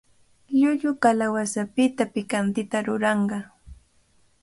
Llullu kalawasapita pikantita ruranqa.